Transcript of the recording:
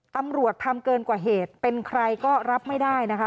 ตำรวจทำเกินกว่าเหตุเป็นใครก็รับไม่ได้นะคะ